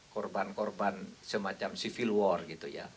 korban korban semacam civil war gitu ya